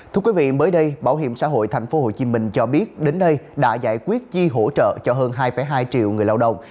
thưa quý vị mới đây bảo hiểm xã hội tp hcm cho biết đến nay đã giải quyết chi hỗ trợ cho hơn hai hai triệu người lao động